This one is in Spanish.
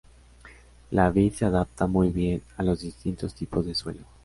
La vid se adapta muy bien a los distintos tipos de suelo.